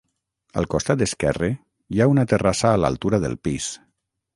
Al costat esquerre hi ha una terrassa a l'altura del pis.